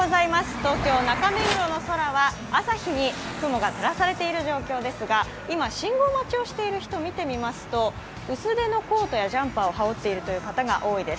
東京・中目黒の空は朝日に雲が照らされている状況ですが今、信号待ちをしている人を見てみますと、薄手のコートやジャンパーを羽織っている方が多いです。